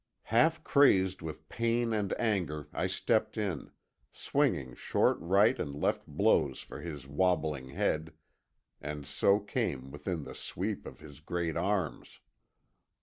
Half crazed with pain and anger I stepped in, swinging short right and left blows for his wabbling head, and so came within the sweep of his great arms.